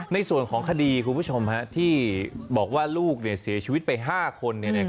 ในส่วนของคดีคุณผู้ชมที่บอกว่าลูกเสียชีวิตไป๕คน